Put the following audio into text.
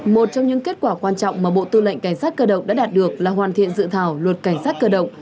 một trong những kết quả quan trọng mà bộ tư lệnh cảnh sát cơ động đã đạt được là hoàn thiện dự thảo luật cảnh sát cơ động